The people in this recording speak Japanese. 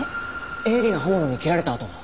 鋭利な刃物に切られた跡。